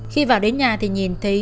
khi vào đến nhà thì nhìn thấy